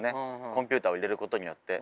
コンピューターを入れることによって。